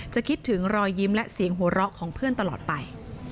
คิดถึงรอยยิ้มและเสียงหัวเราะของเพื่อนตลอดไป